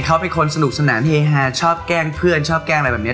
เขาเป็นคนสนุกสนานเฮฮาชอบแกล้งเพื่อนชอบแกล้งอะไรแบบนี้